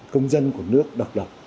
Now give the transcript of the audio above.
công dân của nước độc độc